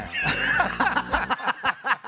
ハハハハ！